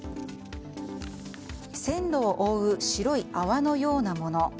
線路を覆う白い泡のようなもの。